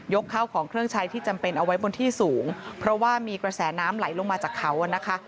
ข้าวของเครื่องใช้ที่จำเป็นเอาไว้บนที่สูงเพราะว่ามีกระแสน้ำไหลลงมาจากเขาอ่ะนะคะ